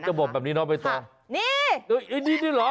จบบ่มแบบนี้น่ะบ๊ายต้องนี่นี่นี่หรอ